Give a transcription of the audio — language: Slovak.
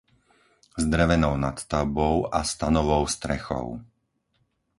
s drevenou nadstavbou a stanovou strechou